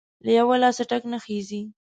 له يوه لاسه ټک نه خيږى.